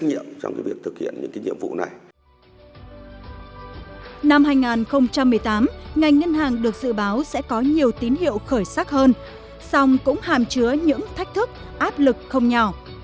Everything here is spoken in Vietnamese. năm hai nghìn một mươi tám ngành ngân hàng được dự báo sẽ có nhiều tín hiệu khởi sắc hơn song cũng hàm chứa những thách thức áp lực không nhỏ